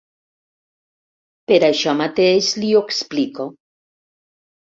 Per això mateix li ho explico.